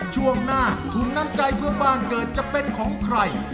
ช่วงหน้าทุนน้ำใจเพื่อบ้านเกิดจะเป็นของใคร